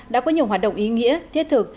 đã có nhiều hoạt động ý nghĩa thiết thực